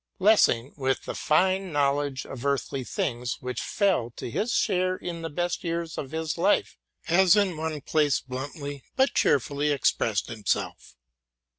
Lessing, with the fine knowledge of sarthly things which fell to his share in the best years of his life, has in one place bluntly but cheerfully expressed himself.